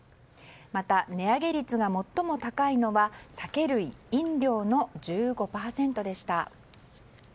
また、値上げ率が最も高いのは酒類・飲料の１５％でした。